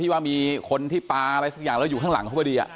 ว่ามีคนที่ปลาอะไรสักอย่างแล้วอยู่ข้างหลังเขาพอดี